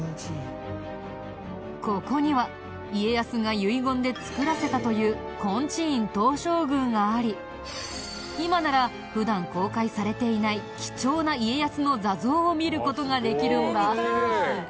ここには家康が遺言で造らせたという金地院東照宮があり今なら普段公開されていない貴重な家康の坐像を見る事ができるんだ。